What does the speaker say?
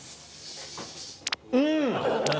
うん！